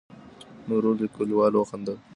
نورو کليوالو وخندل.